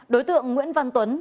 đối tượng nguyễn văn tuấn